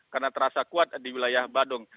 karena terasa kuat di wilayah badung